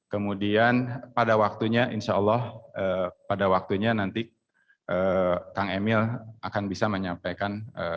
kemudian pada waktunya insya allah pada waktunya nanti kang emil akan bisa menyampaikan